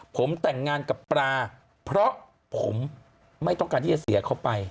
ผมแต่งงานกับปลาเพราะผมไม่ต้องการที่จะเสียเขาไป